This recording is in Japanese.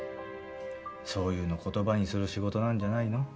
そういうの言葉にする仕事なんじゃないの？